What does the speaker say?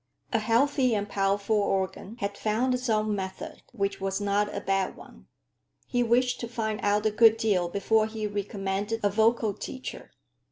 A healthy and powerful organ had found its own method, which was not a bad one. He wished to find out a good deal before he recommended a vocal teacher.